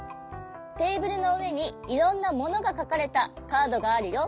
テーブルのうえにいろんなものがかかれたカードがあるよ。